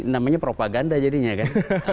namanya propaganda jadinya kan